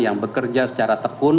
yang berkata kita ingin menerima masukan